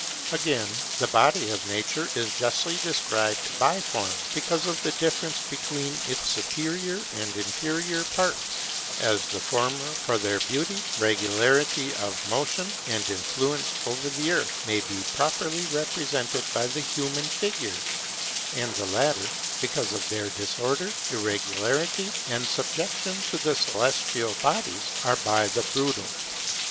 Again, the body of nature is justly described biform, because of the difference between its superior and inferior parts, as the former, for their beauty, regularity of motion, and influence over the earth, may be properly represented by the human figure, and the latter, because of their disorder, irregularity, and subjection to the celestial bodies, are by the brutal.